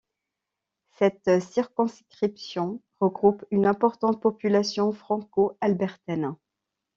Cette circonscription regroupe une importante population franco-albertaine.